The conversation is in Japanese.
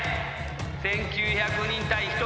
１，９００人対１人。